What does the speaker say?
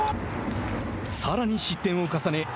さらに失点を重ね